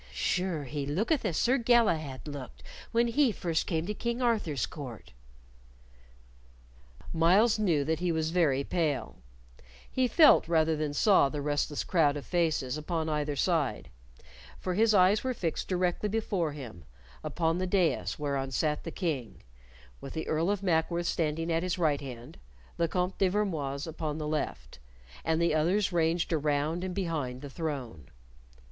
"Sure he looketh as Sir Galahad looked when he came first to King Arthur's court." Myles knew that he was very pale; he felt rather than saw the restless crowd of faces upon either side, for his eyes were fixed directly before him, upon the dais whereon sat the King, with the Earl of Mackworth standing at his right hand, the Comte de Vermoise upon the left, and the others ranged around and behind the throne.